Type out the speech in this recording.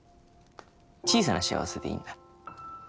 小さな幸せでいいんだ。